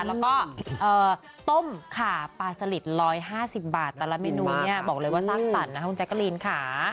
แล้วก็ต้มขาปลาสลิด๑๕๐บาทแต่ละเมนูเนี่ยบอกเลยว่าสร้างสรรค์นะคุณแจ๊กกะลีนค่ะ